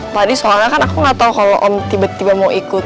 tadi soalnya kan aku gak tau kalo om tiba tiba mau ikut